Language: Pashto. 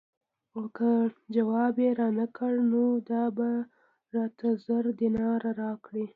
او که ځواب یې رانه کړ نو دا به راته زر دیناره راکړي.